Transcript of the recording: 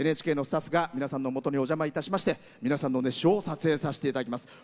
ＮＨＫのスタッフが皆さんのもとにお邪魔いたしまして皆さんの熱唱を撮影させていただきます。